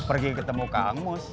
pergi ketemu kang mus